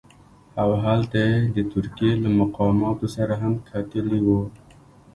او هلته یې د ترکیې له مقاماتو سره هم کتلي وو.